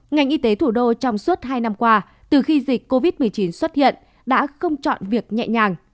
ngành y tế thủ đô trong suốt hai năm qua từ khi dịch covid một mươi chín xuất hiện đã không chọn việc nhẹ nhàng